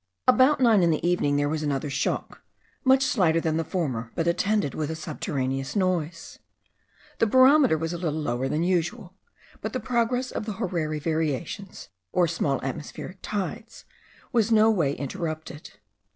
About nine in the evening there was another shock, much slighter than the former, but attended with a subterraneous noise. The barometer was a little lower than usual; but the progress of the horary variations or small atmospheric tides, was no way interrupted.